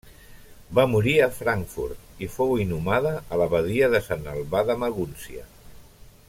Va morir a Frankfurt i fou inhumada a l'abadia de Sant Albà de Magúncia.